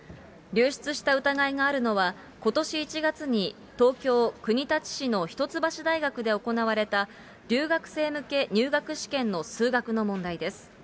流出した疑いがあるのは、ことし１月に東京・国立市の一橋大学で行われた留学生向け入学試験の数学の問題です。